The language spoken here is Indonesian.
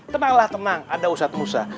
tenanglah tenang ada ustadz musa